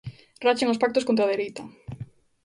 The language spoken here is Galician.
Rachen os pactos contra a dereita.